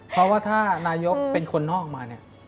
เพราะว่าถ้านายกเป็นคนนอกมาเนี่ย